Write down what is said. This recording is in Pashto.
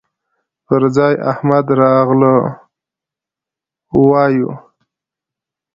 پر ځاى احمد راغلهووايو